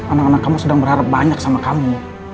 anak anak kamu sedang berharap banyak sama kamu